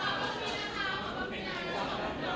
สวัสดีครับคุณผู้ชม